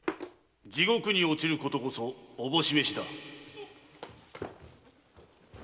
地獄に堕ちることこそ思し召しだ！